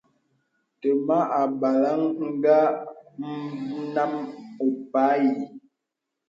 Təmà àbālaŋ ngə nám óbə̂ ï.